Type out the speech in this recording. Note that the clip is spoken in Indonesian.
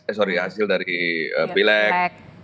eh sorry hasil dari pileg